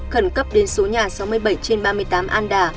khẩn cấp đến số nhà sáu mươi bảy trên ba mươi tám an đà